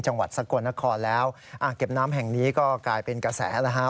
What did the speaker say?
จังหวัดสกลนครแล้วอ่างเก็บน้ำแห่งนี้ก็กลายเป็นกระแสแล้วฮะ